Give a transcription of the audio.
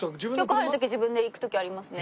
局に入る時自分で行く時ありますね。